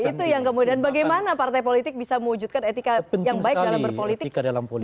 itu yang kemudian bagaimana partai politik bisa mewujudkan etika yang baik dalam berpolitik